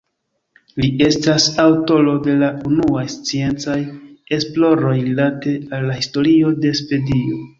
Li estas aŭtoro de la unuaj sciencaj esploroj rilate al la historio de Svedio.